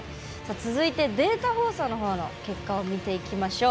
続いてデータ放送の方の結果を見ていきましょう。